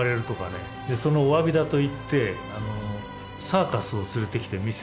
そのおわびだと言ってサーカスを連れてきて見せたとかね。